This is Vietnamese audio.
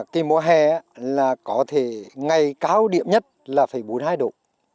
cái mùa hè là có thể ngày cao điểm nhất là bốn mươi hai độ